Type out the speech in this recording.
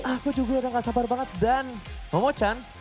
aku juga udah gak sabar banget dan momo chan